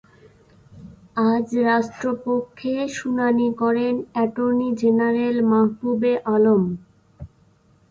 আজ রাষ্ট্রপক্ষে শুনানি করেন অ্যাটর্নি জেনারেল মাহবুবে আলম।